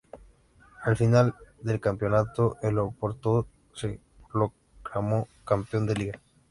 Al final del campeonato el Oporto se proclamó campeón de Liga.